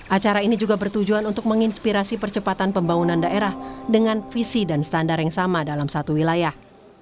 acara ini juga bertujuan untuk menginspirasi percepatan pembangunan daerah dengan visi dan standar yang sama dalam satu wilayah